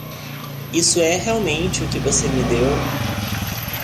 Isso é realmente o que você me deu?